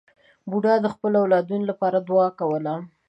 بوډا د خپلو اولادونو لپاره دعا کوله.